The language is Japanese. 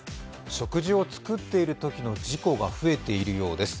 食事を作っているときの事故が増えているようです。